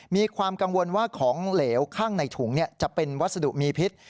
มีความกังวลว่าของเหลวข้างในถุงจะเป็นวัสดุมีพิษ